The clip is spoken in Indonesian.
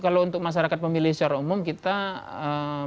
kalau untuk masyarakat pemilih secara umum kita beranggapan agak kurang rakyat